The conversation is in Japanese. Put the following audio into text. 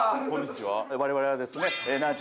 我々はですねなぁ